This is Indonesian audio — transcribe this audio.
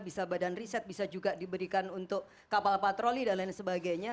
bisa badan riset bisa juga diberikan untuk kapal patroli dan lain sebagainya